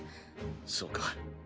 そうか。